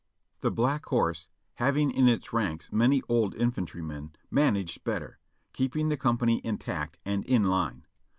The Black Horse, having in its ranks many old infantrymen, managed better, keeping the company intact and in line.